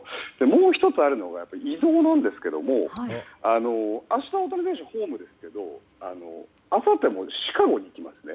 もう１つあるのが移動ですが明日、大谷選手ホームですけどあさってはシカゴに行きますね。